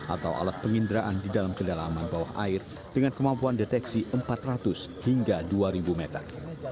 atau alat penginderaan di dalam kedalaman bawah air dengan kemampuan deteksi empat ratus hingga dua ribu meter